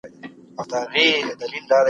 اجتماع له عصره شاته پاته کېدل نه غواړي.